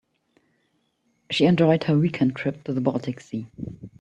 She enjoyed her weekend trip to the baltic sea.